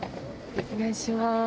お願いします。